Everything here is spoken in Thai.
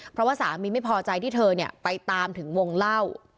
เพราะว่าสามีไม่พอใจที่เธอไปตามถึงวงเล่า